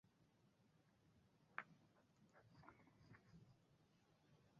Argentina দুইজন পুরুষ ও একজন মহিলা ওপেন ওয়াটার সাঁতারুর যোগ্যতা অর্জন করে।